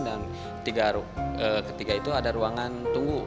dan ketiga itu ada ruangan tunggu